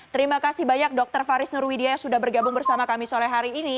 terima kasih banyak dokter faris nurwidia yang sudah bergabung bersama kami sore hari ini